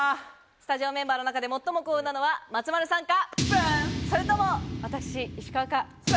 スタジオメンバーの中で最も幸運なのは松丸さんか、それとも私、石川か。